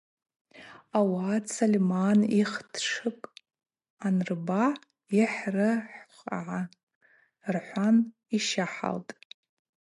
Ауат Сольман йхтшыкӏ анырба: Йхӏрыхвгӏа, – рхӏван йщахӏалтӏ.